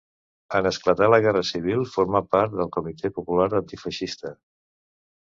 En esclatar la Guerra Civil formà part del Comitè Popular Antifeixista.